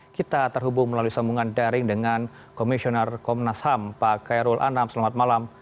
kita terhubung melalui sambungan daring dengan komisioner komnas ham pak khairul anam selamat malam